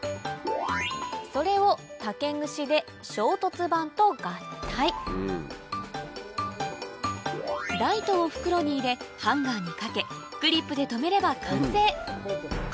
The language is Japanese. それを竹ぐしで衝突板と合体ライトを袋に入れハンガーに掛けクリップで留めれば完成